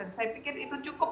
dan saya pikir itu cukup